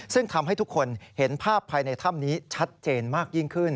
ซึ่งทำให้ทุกคนเห็นภาพภายในถ้ำนี้ชัดเจนมากยิ่งขึ้น